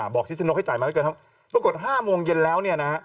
บอกชิชนกให้จ่ายมาไม่เกิน๕โมงเย็นแล้วเนี่ยนะ